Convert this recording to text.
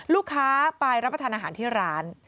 ลูกค้าไปรับประทานอาหารที่ร้าน